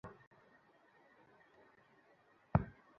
হাজার হাজার রাজবন্দীদের কথা মনে করে সরকারপক্ষ ভীষণ ঘাবড়ে গেলো।